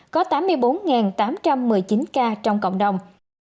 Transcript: có tám mươi bốn tám trăm một mươi chín ca nhập cảnh